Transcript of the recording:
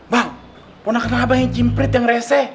bang pernah kenal abang yang cimprit yang rese